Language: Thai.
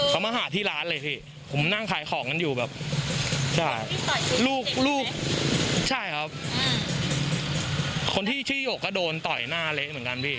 พี่ผมนั่งขายของกันอยู่แบบใช่ลูกลูกใช่ครับอืมคนที่ชื่อโยกก็โดนต่อยหน้าเละเหมือนกันพี่